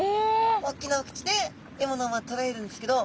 大きなお口で獲物をとらえるんですけど。